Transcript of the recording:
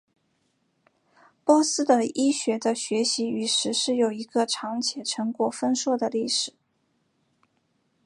波斯的医学的学习与实施有一个长且成果丰硕的历史。